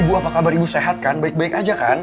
ibu apa kabar ibu sehat kan baik baik aja kan